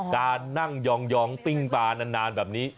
การนั่งยองปิ้งปลานานแบบนี้